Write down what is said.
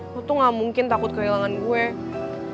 aku tuh gak mungkin takut kehilangan gue